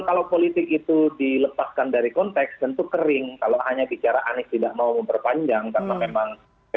betul kalau politik itu dilepaskan dari konteks tentu kering kalau hanya bicara anies tidak mau memperpanjang karena memang regulasinya tidak terlalu jelas